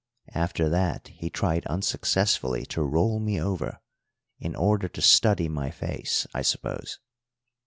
After that he tried unsuccessfully to roll me over, in order to study my face, I suppose.